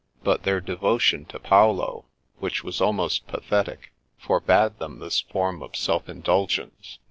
But their devotion to Paolo, which was almost pathetic, forbade them this form of self indulgence.